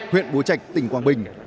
huyện bố chạch tỉnh quảng bình